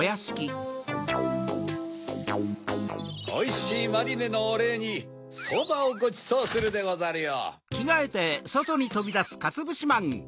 おいしいマリネのおれいにそばをごちそうするでござるよ。